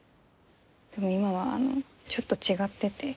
でも今はあのちょっと違ってて。